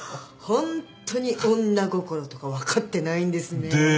ホントに女心とか分かってないんですね。